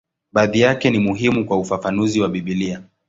Baadhi yake ni muhimu kwa ufafanuzi wa Biblia.